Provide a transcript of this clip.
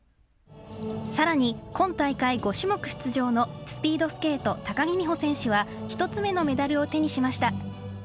さらに今大会５種目出場のスピードスケート、高木美帆選手は、１つ目のメダルを手にしました。